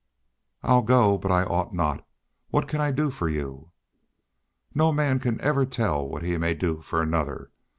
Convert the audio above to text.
"I'll go but I ought not. What can I do for you?" "No man can ever tell what he may do for another.